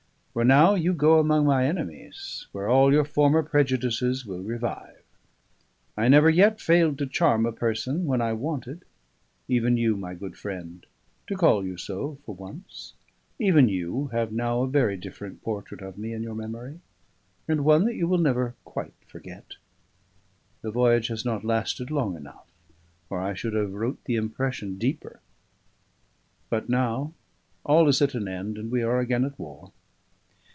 For now you go among my enemies, where all your former prejudices will revive. I never yet failed to charm a person when I wanted; even you, my good friend to call you so for once even you have now a very different portrait of me in your memory, and one that you will never quite forget. The voyage has not lasted long enough, or I should have wrote the impression deeper. But now all is at an end, and we are again at war.